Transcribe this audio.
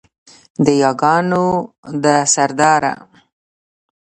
د یاګانو ده سرداره